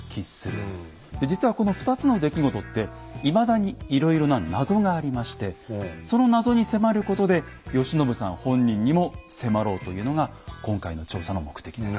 実はこの２つの出来事っていまだにいろいろな謎がありましてその謎に迫ることで慶喜さん本人にも迫ろうというのが今回の調査の目的です。